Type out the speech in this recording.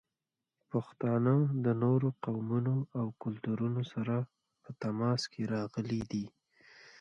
پښتانه د نورو قومونو او کلتورونو سره په تماس کې راغلي دي.